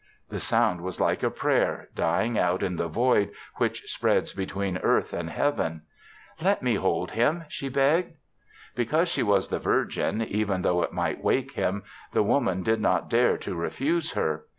The sound was like a prayer, dying out in the void which spreads between earth and Heaven. "Let me hold him," she begged. Because she was the Virgin, even though it might wake him, the Woman did not dare to refuse her.